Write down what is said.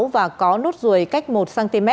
và có nốt ruồi cách một cm